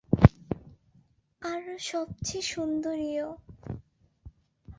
আর সবচেয়ে সুন্দরীও।